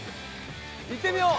いってみよう。